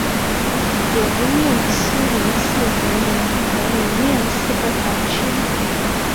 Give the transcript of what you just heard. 由廿七名司铎名管理廿四个堂区。